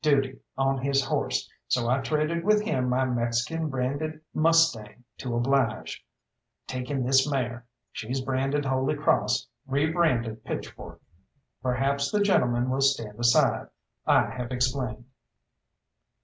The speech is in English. duty on his horse, so I traded with him my Mexican branded mustang to oblige, taking this mare. She's branded 'Holy Cross,' rebranded 'pitchfork.' Perhaps the gentlemen will stand aside I have explained."